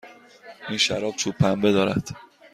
این شراب چوب پنبه دارد.